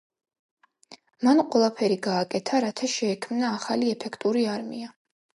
მან ყველაფერი გააკეთა, რათა შეექმნა ახალი ეფექტური არმია.